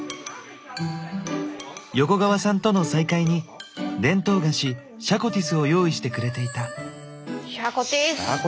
横川さんとの再会に伝統菓子シャコティスを用意してくれていた。